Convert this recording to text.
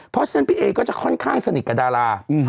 เพราะฉะนั้นพี่เอก็จะค่อนข้างสนิทกับดารา